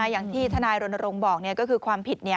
อย่างที่ทนายรณรงค์บอกก็คือความผิด